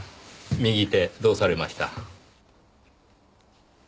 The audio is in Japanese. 右手どうされました？